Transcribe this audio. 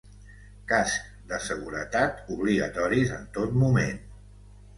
Cascs de seguretat: obligatoris en tot moment.